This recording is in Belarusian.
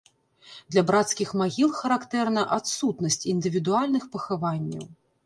Для брацкіх магіл характэрна адсутнасць індывідуальных пахаванняў.